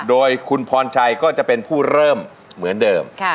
โดยคุณพรชัยก็จะเป็นผู้เริ่มเหมือนเดิม